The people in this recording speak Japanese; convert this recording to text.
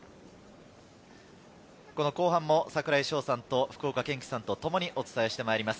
後半も櫻井翔さんと福岡堅樹さんと共にお伝えしてまいります。